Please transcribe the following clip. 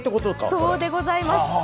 そうでございます。